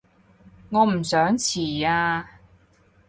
我唔想遲啊